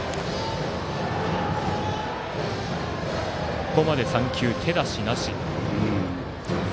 ここまで３球手出しなし。